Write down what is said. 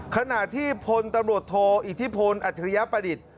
ขณะที่พลตำรวจโทอิทธิพลอัจฉริยประดิษฐ์